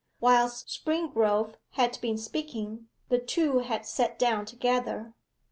Whilst Springrove had been speaking the two had sat down together.